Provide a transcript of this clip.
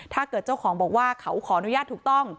ถ้าเกิดเจ้าของบอกว่าเขาขอนุญาตถูกต้อง